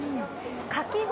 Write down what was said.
かき氷